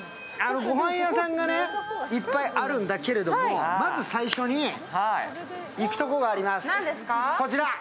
御飯屋さんがいっぱいあるんだけれども、まず最初に行くところがあります。